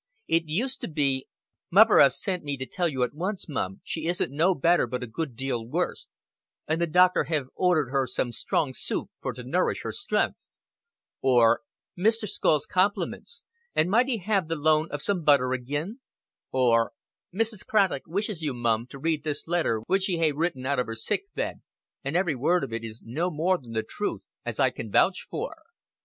It used to be: "Muvver hey sent me to tell you at once, Mum, she isn't no better but a good deal worse, and the doctor hev ordered her some strong soup for to nourish her stren'th;" or "Mr. Scull's compliments, and might he hev the loan of some butter agin;" or "Mrs. Craddock wishes you, Mum, to read this letter which she hey written out of her sickbed, and every word of it is no more than the truth, as I can vouch for.